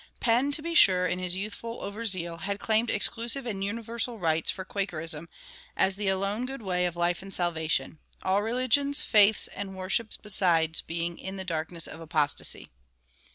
Penn, to be sure, in his youthful overzeal, had claimed exclusive and universal rights for Quakerism as "the alone good way of life and salvation," all religions, faiths, and worships besides being "in the darkness of apostasy."